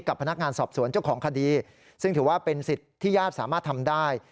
กับพนักงานสอบสวนเจ้าของคดีซึ่งถือว่าเป็นสิทธิ์ที่ญาติสามารถทำได้